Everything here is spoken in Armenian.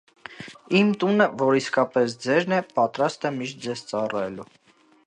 - Իմ տունը, որ իսկապես ձերն է, պատրաստ է միշտ ձեզ ծառայելու: